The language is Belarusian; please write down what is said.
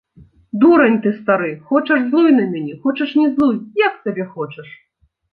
Дурань ты стары, хочаш злуй на мяне, хочаш не злуй, як сабе хочаш!